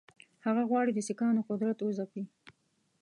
هغه غواړي د سیکهانو قدرت وځپي.